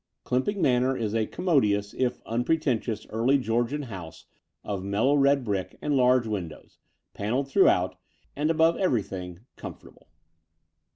Clymping Manor is a commodious, if unpre tentious, early Georgian house of mellow red brick and large windows, panelled throughout, and above everything comfortable.